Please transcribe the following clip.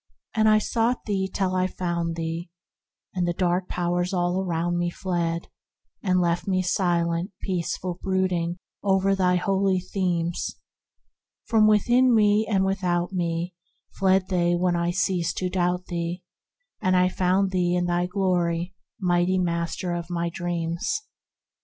And I sought thee till I found thee; And the dark Powers all around me Fled, and left me silent, peaceful, brooding o'er thy holy themes; From within me and without me Fled they when I ceased to doubt thee; And I found thee in thy Glory, mighty Master of my dreams